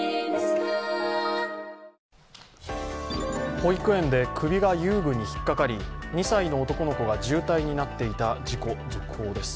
保育園で首が遊具に引っかかり２歳の男の子が重体になっていた事故、続報です。